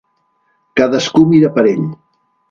Cadascú mira per ell.